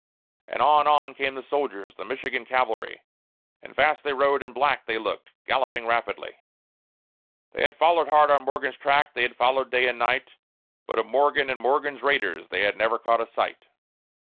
And on, on, came the soldiers the Michigan cavalry And fast they rode, and black they looked, galloping rapidly, They had followed hard on Morgan's track; they had followed day and night; But of Morgan and Morgan's raiders they had never caught a sight.